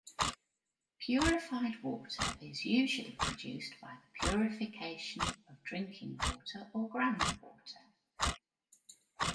Purified water is usually produced by the purification of drinking water or ground water.